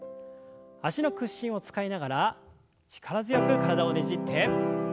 脚の屈伸を使いながら力強く体をねじって。